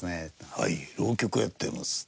「はい浪曲やってます」